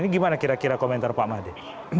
ini gimana kira kira komentar pak made